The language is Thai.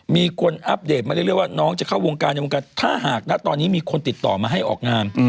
มีคนอัปเดตมาเรื่อยว่าน้องจะเข้าวงการในวงการถ้าหากนะตอนนี้มีคนติดต่อมาให้ออกงาน